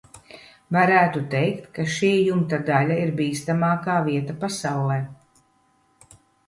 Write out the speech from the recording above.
Varētu teikt, ka šī jumta daļa ir bīstamākā vieta pasaulē.